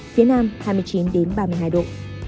phía nam hai mươi chín ba mươi hai độ